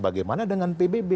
bagaimana dengan pbb